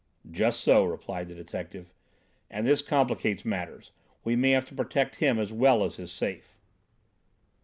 "Just so," replied the detective. "And this complicates matters; we may have to protect him as well as his safe."